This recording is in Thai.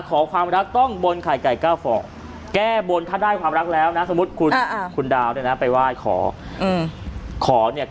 ขอความรักต้องบนไข่ไก่ก้าฒอก